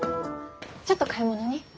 ちょっと買い物に。